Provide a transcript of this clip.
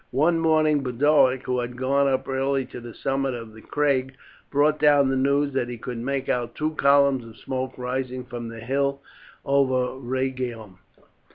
One morning Boduoc, who had gone up early to the summit of the crag, brought down the news that he could make out two columns of smoke rising from the hill over Rhegium.